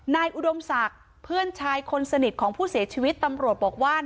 อุดมศักดิ์เพื่อนชายคนสนิทของผู้เสียชีวิตตำรวจบอกว่า